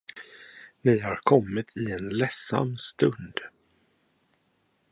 Ni har kommit i en ledsam stund.